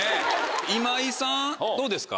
今井さんどうですか？